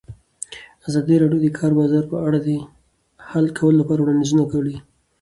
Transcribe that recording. ازادي راډیو د د کار بازار په اړه د حل کولو لپاره وړاندیزونه کړي.